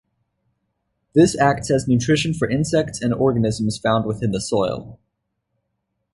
This acts as nutrition for insects and organisms found within the soil.